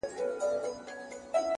زه ستا په ځان كي يم ماته پيدا كړه!!